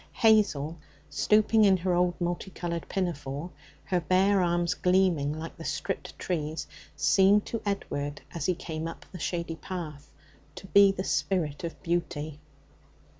Hazel, stooping in her old multi coloured pinafore, her bare arms gleaming like the stripped trees, seemed to Edward as he came up the shady path to be the spirit of beauty.